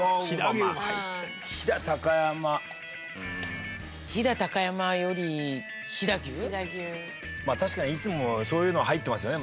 まあ確かにいつもそういうの入ってますよね。